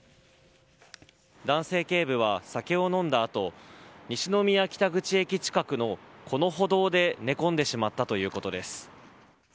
男性警部は酒を飲んだあと、西宮北口駅近くのこの歩道で寝込んでしまったということです。